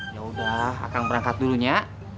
yaudah akan berangkat dulunya